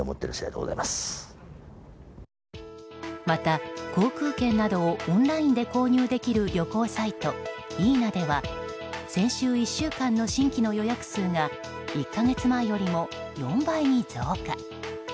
また、航空券などをオンラインで購入できる旅行サイトｅｎａでは先週１週間の新規の予約数が１か月前よりも４倍に増加。